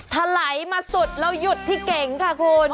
ถลายมาสุดแล้วหยุดที่เก๋งค่ะคุณ